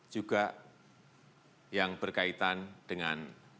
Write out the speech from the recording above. juga yang berkaitan dengan